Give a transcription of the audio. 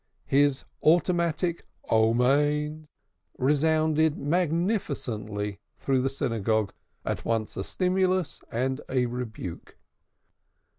His automatic amens resounded magnificently through the synagogue, at once a stimulus and a rebuke.